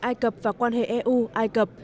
ai cập và quan hệ eu ai cập